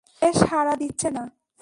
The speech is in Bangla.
সে সাড়া দিচ্ছে না।